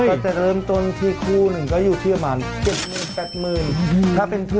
ก็จะเริ่มต้นที่คู่หนึ่งก็อยู่ที่ประมาณ๗๘๐๐๐